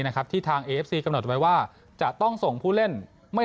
นะครับที่ทางเอฟซีกำหนดไว้ว่าจะต้องส่งผู้เล่นไม่